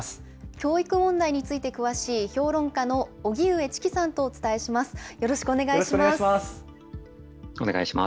教育問題について詳しい評論家の荻上チキさんとお伝えします。